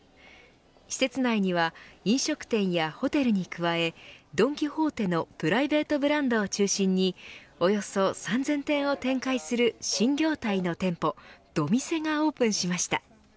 施設内には飲食店やホテルに加えドン・キホーテのプライベートブランドを中心におよそ３０００点を展開する新業態の店舗、ドミセがオープンしました。